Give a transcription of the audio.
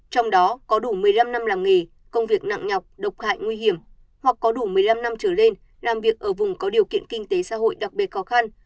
trong đó có đủ một mươi năm năm làm nghề công việc nặng nhọc độc hại nguy hiểm hoặc có đủ một mươi năm năm trở lên làm việc ở vùng có điều kiện kinh tế xã hội đặc biệt khó khăn